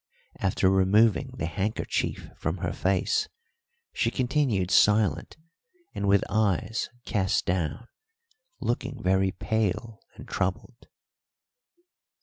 After removing the handkerchief from her face, she continued silent and with eyes cast down, looking very pale and troubled.